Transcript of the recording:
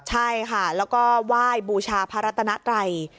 ใช่ค่ะแล้วก็ไหว้บูชาพระรัตนไตร